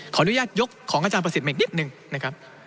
ขออนุญาตยกของอาจารย์ประสิทธิ์มาอีกนิดนึงนะครับ